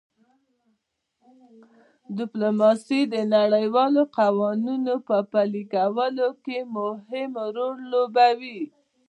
ډیپلوماسي د نړیوالو قوانینو په پلي کولو کې مهم رول لوبوي